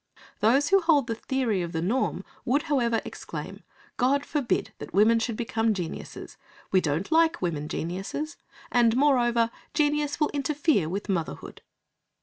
Those who hold the theory of the norm would, however, exclaim "God forbid that women should become geniuses! We don't like women geniuses, and, moreover, genius will interfere with motherhood."